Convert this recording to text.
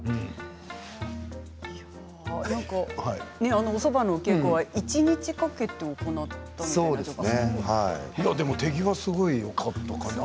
あのおそばのお稽古は一日かけて行ったんですね。